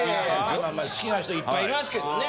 まあ好きな人いっぱいいますけどね。